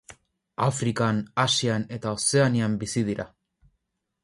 Afrikan, Asian eta Ozeanian bizi dira.